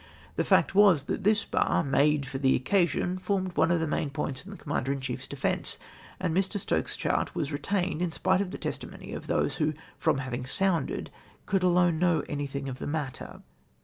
The fact was, that this bar, made for the occasion, formed one of the main points in the Commander in chiefs defence, and ]\ir. Stokes's chart was retained in spite of the testimony of those wlio, fi'om having somided, coidd alone know anything of the matter.